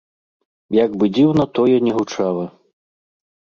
Як бы дзіўна тое не гучала.